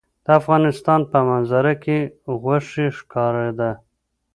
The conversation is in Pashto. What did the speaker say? د افغانستان په منظره کې غوښې ښکاره ده.